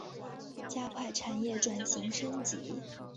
加快产业转型升级